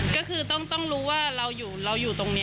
ก็คือต้องต้องรู้ว่าเราอยู่เราอยู่ตรงเนี่ย